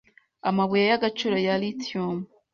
amabuye y’agaciro ya Lithium